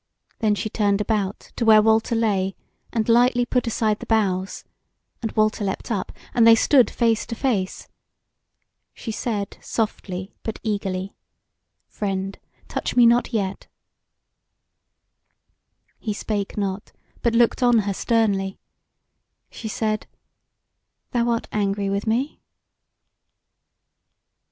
Then she turned about to where Walter lay and lightly put aside the boughs, and Walter leapt up, and they stood face to face. She said softly but eagerly: "Friend, touch me not yet!" He spake not, but looked on her sternly. She said: "Thou art angry with me?"